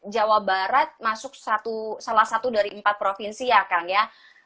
jawa barat masuk salah satu dari empat provinsi ya kang ya